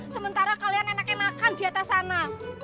sementara kalian enak enakan diatas sana